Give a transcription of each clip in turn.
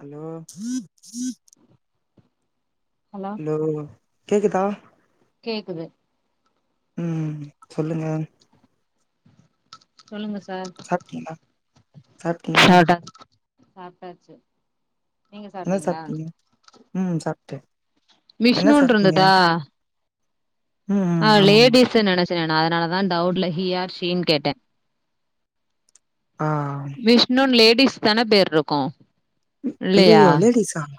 Hello hello லோ கேக்குதா கேக்குது ம் சொல்லுங்க சொல்லுங்க சார் சாப்ட்டீங்ளா சாப்டா சாப்ட்டாச்சு நீங்க என்ன சாப்ட்டீங்களா சாப்டீங்க ம் சாப்ட்ட மிஷ்ணுருந்துதா ம் ஆ ம் ஆமா ஆமா லேடிஸ்சு நெனச்ச நா அதனால தா டவுட்ல ஹி ஆர் ஷீன்னு கேட்ட ஆ விஷ்ணுனு லேடிஸ் தானே பேர் ருக்கு இல்லயா திஸ் சாங்ஸ்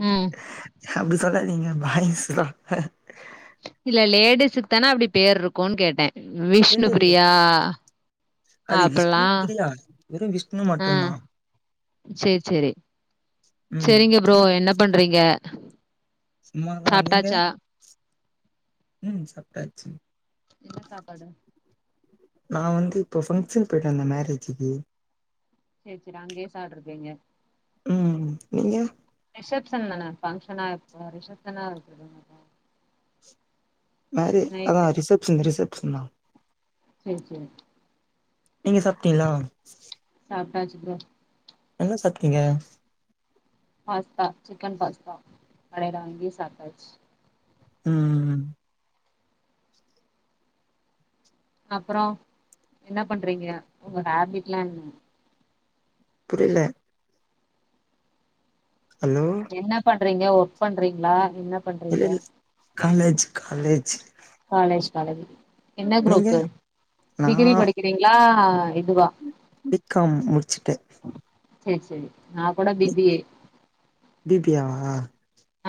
ஆ அப்டி சொல்லாதீங்க பாய்ஸ் தா இல்ல லேடிஸுக்கு தான அப்டி பேருக்குனு கேட்ட இல்ல விஷ்ணு இல்ல ப்ரியா அது விஷ்ணு பிரியா வெறு விஷ்ணு ஆ மட்டுந்தா சேரி சேரி ம் சேரிங்க ப்ரோ என்ன பண்றீங்க சும்மாதா நீங்க சாப்ட்டாச்சா ம் சாப்ட்டாச்சு என்ன சாப்பாடு நா வந்து இப்போ ஃபங்க்ஷன் போயிட்டு வந்தே மேரேஜுக்கு செர் செர் அங்கேயே சாப்ட்ருப்பீங்க உம் நீங்க ரிசப்ஷன்தான பங்க்ஷனா இப்போ ரிசப்ஷனாருக்குதுதான மேரு நைட்டு அதான் ரிசப்ஷன் ரிசெப்ஷன் தா செரி செரி நீங்க சாப்ட்டீங்களா சாப்டாச்சு ப்ரோ என்ன சாப்ட்டீங்க பாஸ்தா சிக்கன் பாஸ்தா கடேல வாங்கி சாப்டாச்சு ம் அப்பறோ என்ன பண்றீங்க உங்க ஹாபிட்லா என்ன புரில ஹலோ என்ன பண்றீங்க ஒர்க் பண்றீங்களா என்ன பண்றீங்க இல் காலேஜ் காலேஜ் காலேஜ் காலேஜ் என்ன நீங்க க்ரூப்பு நா டிகிரி படி டிங்களா இதுவா பி காம் முடிச்சுட்டே சேர் சேர் நா கூட B B A B B A வா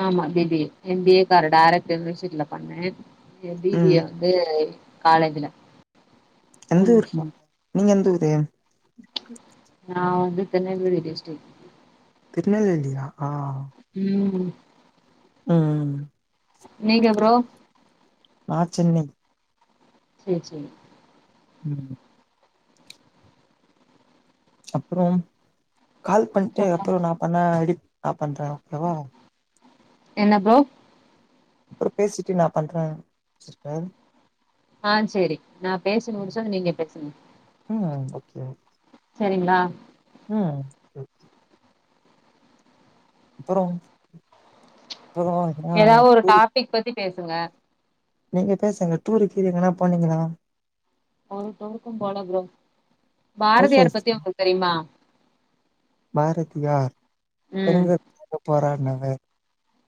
ஆமா B B A M B A கரு டேரக்ட் இருந்துச் இதுல பண்ணே எ பி பி ம் ஏ ந்து காலேஜ்ல எந்த மூணு ஊருக்கு வருஷோ நீங்க எந்த ஊரு நா வந்து திருநெல்வேலி டிஸ்ட்ரிக்ட் திருநெல்வேலியா ஆ ம் ம் நீங்க ப்ரோ நா சென்னை சேர் சேரி ம் அப்ரோ கால் பண்டு அப்ரோ நா பண்ண எடி நா பண்ற ஓக்கேவா என்ன போ அப்ரோ பேசிட்டு நா பண்ற சிஸ்டர் ஆ சேரி நா பேசி முடிச்சது நீங்க பேசுங்க அ ஓக்கே ஒ சரிங்ளா ம் ஓகே ஓகே அப்ரோ போலா வா ஏதாவது ஒரு டாபிக் பத்தி பேசுங்க நீங்க பேசுங்க டூரு கீரு எங்கனா போனீங்களா ஒரு டூருக்கு போல ப்ரோ ஹவுஸ் பாரதியார் ஒய்ஃப் பத்தி உங்குளுக் தெரிமா பாரதியார் பெண் ம் [unintelligible] போராடினவர்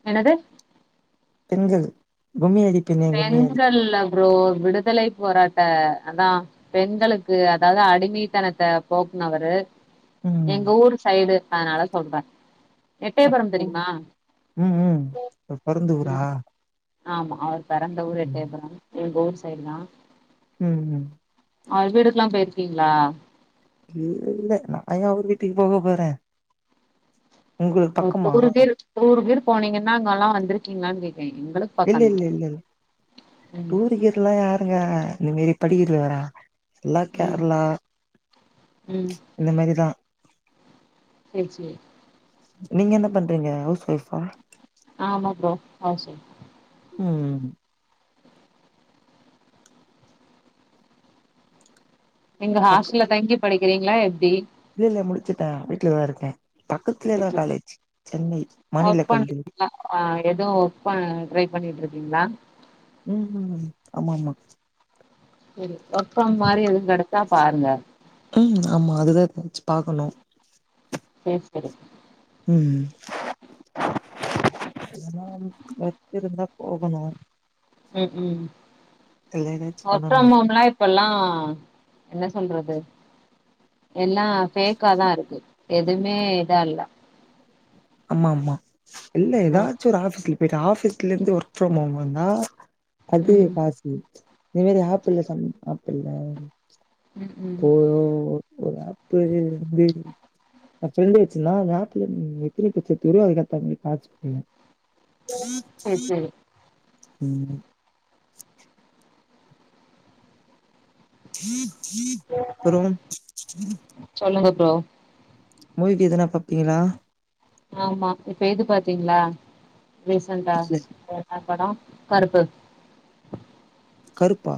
என்னது பெண்கள் கும்மியடி பெண்கள் இல்ல ப்ரோ விடுதலை போராட்ட அதா பெண்களுக்கு அதாது அடிமைத்தனத்த போக்னவரு ம் எங்க ஊரு சைடு அதனால சொல்ற எட்டயபுரம் அப்போ தெரிமா ம் ம் பொறந்த ஊரா ம் ஆமா அவர் பெறந்த ஊர் ம் எட்டயபுரம் எங்க ஊர் சைடு தா ம் ம் அவ வீடுக்லா போய்ர்க்கீங்ளா இல்லில்ல நா ஏ அவர் வீட்டுக்கு போக போற ம் டூரு கீரு டூரு கீரு போனீங்கன்னா அங்கல்லா வந்துருக்கீங்ளானு கேக்டே எங்களுக் இல்லில்லில்லில்ல டூருகீருலா யாருங்க [unintelligible] எல்லா ம் கேர்ளா ம் இந்த மாரிதா சேரி சேரி நீங்க என்ன பண்றீங்க ஹவுஸ் ஒய்ஃபா ஆமா‌ ப்ரோ ஹவுஸ் ஒய்ப் ம் எங்க ஹாஸ்டல்ல தங்கி படிக்கிறீங்ளா எப்டி இல்லெல்ல முடிச்சிட்ட வீட்லதா இருக்கே சேரி பக்கத்துலதா சேரி காலேஜ் சென்னை மாநில கல்லூரி ப்ப ட்ரை பண்ணிட்ருக்கீங்ளா ம் ம் ஆமாமா செரி ஒர் ஃப்ரம் மாரி உள் கெடச்சா பாருங்க ம் ஆமா அதுதா ம் பாக்கணு சேர் செரி ம் எதுன்னா ஒர்க்குருந்தா போகணு ம் ம்ஹும் இல்ல ஏதாச்சு ஒர்க் பண்ணணு ஃப்ரம் ஓம்லா இப்பல்லா என்ன சொல்றது எல்லா ஃபேக்காதா இருக்கு எதுமே இதால்ல ஆமாமா இல்ல ம் ஏதாச்சு ஒரு ஆபீஸ்ல வேற ஆஃபீஸ்லர்ந்து ஒர்க் ஃப்ரம் ஹோம் வந்தா அது ம் [unintelligible] [unintelligible] ஆப்புல்ல சம் ஆப்புல்ல ம் ம் போ ஒரு ஆப்பு [unintelligible] எ ஃப்ரெண்டு வெச்சிந்தா அந்த அப்பு பேரு [inaudible] சரி சரி ம் அப்பறோ சொல்லுங்க தோ மூவிக்கி எதனா பாப்பீங்களா ஆமா இப்ப இது பாத்தீங்களா ரீசண்டா இல்ல என்ன படோ கருப்பு கருப்பா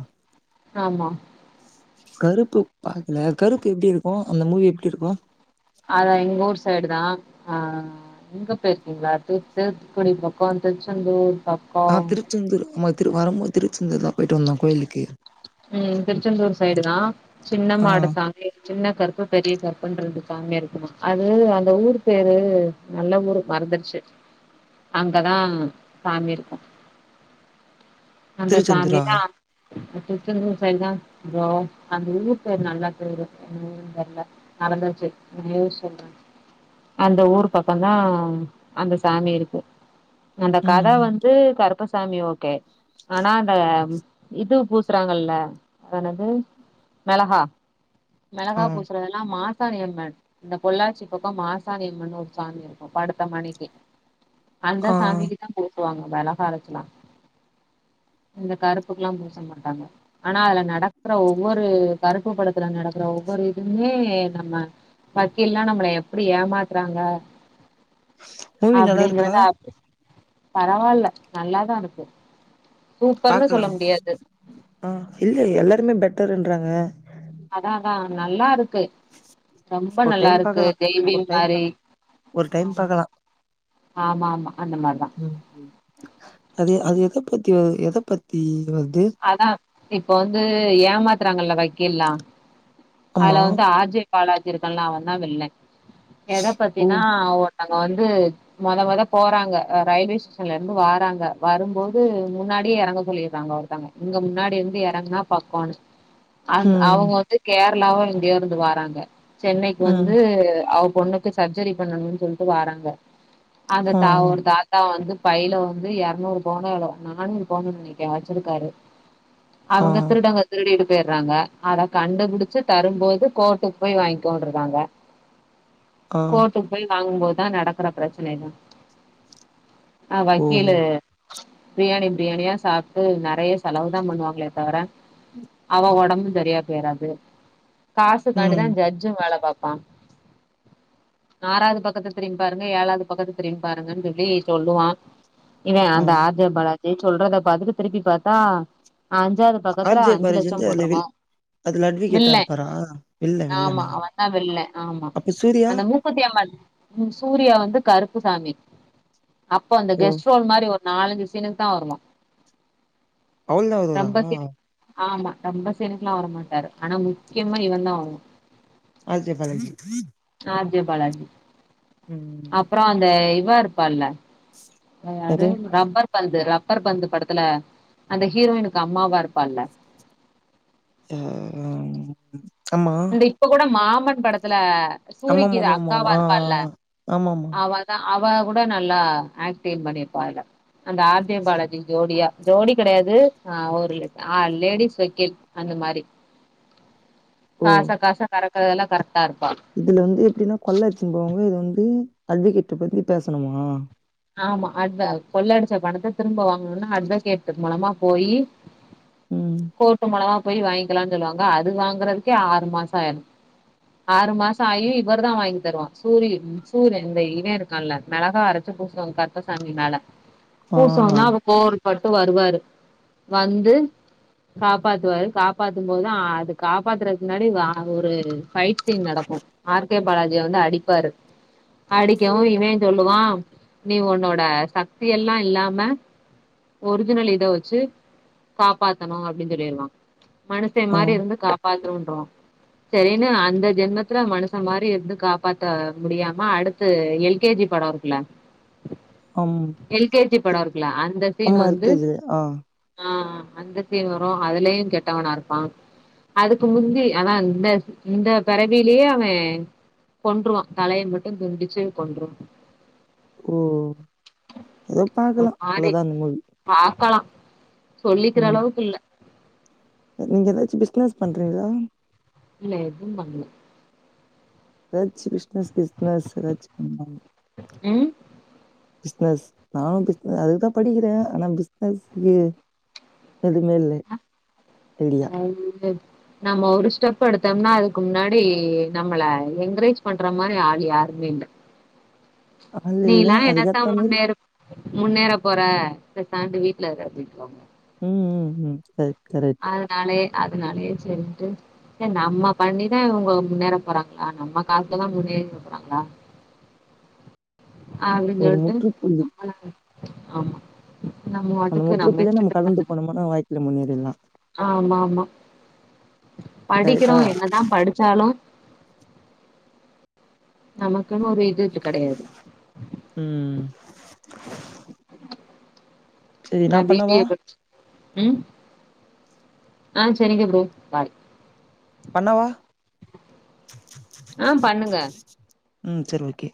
ஆமா கருப்பு பாக்கல கருப்பு எப்பிடி இருக்கு அந்த மூவி எப்பிடி இருக்கு அதா எங்க ஊர் சைடு தா ஆ அங்க போயிருக்கீங்களா தூத் தூத்துக்குடி பக்கோ திருச்செந்தூர் பக் ஆ திருச்சந்தூர் ஆமா திரு வரும்போது திருச்செந்தூர் தா போயிட்டு வந்தோ கோயிலுக்கு ம் திருச்செந்தூர் சைடு தா ஆ சின்னமாடசாமி சின்ன கருப்பு பெரிய கருப்புன்னு ரெண்டு சாமி இருக்கும்மா அது அந்த ஊரு பேரு நல்ல ஊரு மறந்துடுச்சு அங்கதா சாமிருக்கு அந்த திருச்செந்தூரா சாமிதா திருச்செந்தூர் சைடு தா ப்ரோ அந்த ஊர் பேர் நல்லா பேரு என்ன ஊர்ன்னு தெர்ல மறந்தாச்சு யோசிச்சு சொல்ற அந்த ஊர் பக்கம்தா அந்த சாமி இருக்கு அந்த கத ம் வந்து கருப்பசாமி ஓகே ஆனா அந்த இது பொ பூசுறாங்கல்ல அதென்னது மெளகா மெளகா ஆ பூசுறதெல்லா மாசாணி அம்மன் இந்த பொள்ளாச்சி பக்கோ மாசாணி அம்மன்னு ஒரு சாமி இருக்கு படுத்த மணிக்கி அந்தா ஆ சாமிக்கு தா பூசுவாங்க மெளகாய் அரைச்சுலா இந்த கருப்புக்கெல்லா பூச மாட்டாங்க ஆனா அதுல நடக்கற ஒவ்வொரு கருப்பு படத்துல நடக்கற ஒவ்வொரு இதுமே நம்ம வக்கீல்லா நம்மள எப்பிடி ஏமாத்துறாங்க மூவி நல்லா இருக்கா அப்டிங்கறத [unintelligible] பரவால்ல நல்லாதா இருக்கு சூப்பர்னு சொல்ல பாக்கலாம் முடியாது ஆ இல்ல எல்லாருமே பெட்டர்ன்றாங்க அதா அதா நல்லா இருக்கு ரொம்ப ஒரு நல்லா டைம் இருக்கு பாக்கலா ஒரு ஜெய்பீம் டைம் பா மாரி ஒரு டைம் ஆமா பாக்கலா ஆமா ஆமா அந்த மாதிரி தா ம் ம் அது அது எத பத்தி வ எத பத்தி வது அதா இப்ப வந்து ஏமாத்ராங்கள்ல வக்கீலா ஆமா அதுல வந்து ஆர் ஜே பாலாஜி இருக்கல்லா அவ தா வில்லே எதப் ஓ பத்தின ஒருத்தங்க வந்து மொத மொத போறாங்க ரயில்வே ஸ்டேஷன்ல இருந்து வராங்க வரும்போது முன்னாடியே இறங்க சொல்லிறாங்க ஒருத் தங்க இங்க முன்னாடி வந்து இறங்னா பக்கோனு அவ் ம் அவுங்க வந்து கேரள்லாயோ எங்யோ இருந்து வாராங்க சென்னைக்கு ம் வந்து அவ பொண்ணுக் கு சர்ஜரி பண்ணணுனு சொல்ட்டு வராங்க அந்த ஆ த ஒரு தா த்தா வந்து பையில வந்து இரநூறு பவுனோ எவ்ளோவோ நானூறு பவுனு நெனைக்கே வச்சிருக்காரு ஆ அவங்க திருடங்க திருடிட்டு போய்றாங்க அத கண்டுபிடிச்சு தரும்போது கோட்டுக்கு போய் வாங்கிக்கோண்டுறாங்க ஆ கோட்டுக்கு போய் வாங்கும் போது தா நடக்கற பிரச்சனைதா ஆ ஓ வக்கீலு பிரியாணி பிரியாணியா சாப்ட்டு நெறைய செலவு தா பண்ணுவாங்களே தவர அவ உடம்பு செரியா போயிராது காசுக்காண்டிதா ம் ஜட்ஜு வேல பாப்பான் ஆறாவது பக்கத்த திரும்பி பாருங்க ஏழாவது பக்கத்த திரும்பி பாருங்கன்னு சொல்லி சொல்லுவா இவே ஆ அந்த ஆர் ஜே பாலாஜி சொல்றத பாத்துட்டு திருப்பி பாத்தா அஞ்சாவது பக்கத்துல ஆர் ஜே அஞ்சு பாரதி லட்சோ வந்து அதுல போட்ருக்கு வில் அதுல அட்வகேட்டா வில்லே இருப்பாரா வில்ல ஆமா வில்லனா அவ தா வில்லே ஆமா அப்ப சூர்யா அந்த மூத் க்குத்தி அம்மன் ம் சூர்யா வந்து கருப்பு சாமி அப்போ அந்த ஓ கெஸ்ட்ரோல் மாரி ஒரு நாலஞ்சு சீனுக்கு தா வருவ அவ்ளதா வருதா ரொம்ப சீன் ஆமா ரொம்ப சீனுக்கல்லா வரமாட்டாரு ஆனா முக்கியமா இவந்தா வருவா R J Balaji R J Balaji ம் அப்ற அந்த இவா இருப்பால்ல அது யாரு ரப்பர் பந்து ரப்பர் பந்து படத்துல அந்த ஹீரோய்னிக்கு அம்மாவா இருப்பால ஆ ம் ஆமா இந்த இப்ப கூட மாமன் படத்துல சூரிக்கி இது ஆமாமாமாமா அக்காவா ஆ இருப்பால ஆமாமா அவ த அவ கூட நல்லா ஆக்டிங் பண்ணிருப்பா இதுல அந்த ஆர் ஜே பாலாஜிக்கு ஜோடியா ஜோடி கெடையாது ஆ ஒரு ல ஆ லேடிஸ் வக்கீல் அந்த மாரி ஓ காச காச கறக்குறதுல்லா கரெக்டா இருப்பா இதுல வந்து எப்டின்னா கொள்ள அடிச்சுனுபோவங்க இது வந்து அட்வகேட்ட பத்தி பேசணுமா ஆமா அட்வ கொள்ளடிச்ச பணத்த திரும்ப வாங்கணுன்னா அட்வகேட் மூலமா போயி ம் கோட்டு மூலமா போய் வாங்கிக்கலானு சொல்லுவாங்க அது வாங்கறதுக்கே ஆறு மாச ஆயிரு ஆறு மாச ஆயு இவரு தா வாங்கி தருவா சூரி சூரி இந்த இவ இருக்கான்ல மெளகா அரச்சு பூசுவா கர் ப்ப சாமி மேல ஆ பூசுவோன்னா அப்ப கோவரு பட்டு வருவாரு வந்து காப்பாத்துவாரு காப்பாத்தும் போதுதா அது காப்பாத்துறதுக்கு முன்னாடி அ ஒரு ஃபைட் சீன் நடக்கு ஆர் கே பாலாஜிய வந்து அடிப்பாரு அடிக்கவு இவே சொல்லுவா நீ உன்னோட சக்தியெல்லா இல்லாம ஒரிஜினல் இத வச்சு காப்பாத்தணு அப்டின்னு சொல்லிருவா மனுஷே ஆ மாரி இருந்து காப்பாத்தனுன்றுவா னு அந்த ஜென்மத்துல மனுச மாரி இருந்து காப்பாத்த முடியாம அடுத்து எல் கே ஜி பட இருக்குல ஆம் எல்கேஜி படம் இருக்குல அந்த சீன் ஆமா எல் வந்து கே ஜி ஆ ஆ அந்த சீன் வரு அதுலயு கெட்டவனா இருப்பா அதுக்கு முந்தி அதா இந்த இந்த பிறவிலயே அவ கொண்ட்ருவா தலைய மட்டு துண்டிச்சு கொண்ட்ருவா ஓ ஏதோ ஒரு பாக்கலா, மாரி அவ்ளோதா அந்த மூவி பாக்கலா, சொல்லிக்கற ம் அளவுக்கு இல்ல நீங்க எதாச்சு பிசினஸ் பண்றீங்களா? இல்ல எதும் பண்ணல எதாச்சு பிஸ்னஸ் கிஸ்னஸ் எதாச்சு பண்லாம்ல ம் பிசினஸ் நானு பிஸ் அதுக்குதா படிக்கிறே ஆனா பிசினஸ்க்கு எதுமே இல்ல ஐடியா அது இல்ல நம்ம ஒரு ஸ்டெப் எடுத்தோம்னா அதுக்கு முன்னாடி நம்மள என்கரேஜ் பண்ற மாரி ஆளு யாருமேயில்ல ஆள் இல்ல நீயிலா என்னத்த அதுக்கேத்த மாரி முன்னேறு முன்னேற போற பேசாண்டு வீட்லயிரு அப்டின்ருவாங்க ம் ம் ம் கரெக்ட் கரெக்ட் அதனாலே அதனாலேயே செரிண்ட்டு நம்ம பண்ணிதா இவங்க முன்னேற போறாங்களா நம்ம காசுலதா முன்னேறிர போறாங்களா அப்டின்னு ஒரு சொல்ட்டு, முற்றுப்புள்ளி ஆமா நம்ம அந்த வாட்டுக்கு முற்றுப்புள்ளிய நம்ம இஷ்டத்துக்கு கடந்து பண்ணலா போனோம்னா வாழ்க்கைல முன்னேறிரலா ஆமா ஆமா படிக்கிறோ கரெக்டா என்னதா படிச்சாலு நமக்குன்னு ஒரு இதுட்டு கெடையாது ம் சரி நா பீ பி பண்ணவா ஏ படிச்ச, ம் ஆ செரிங்க ப்ரோ, பாய் பண்ணாவா, ஆ பண்ணுங்க ம், சேரி ஓகே